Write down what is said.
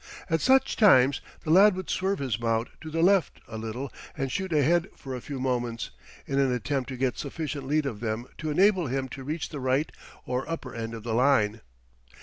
At such times the lad would swerve his mount to the left a little and shoot ahead for a few moments, in an attempt to get sufficient lead of them to enable him to reach the right or upper end of the line.